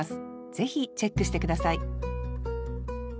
ぜひチェックして下さい